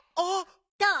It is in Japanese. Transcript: どう？